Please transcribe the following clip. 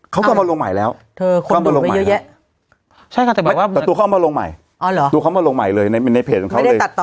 เขาก็มาลงใหม่แล้วตัวเข้ามาลงใหม่เลยในเพจของเขาเลย